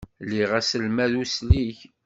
Liɣ aselmad uslig.